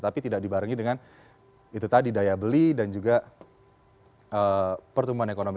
tapi tidak dibarengi dengan itu tadi daya beli dan juga pertumbuhan ekonomi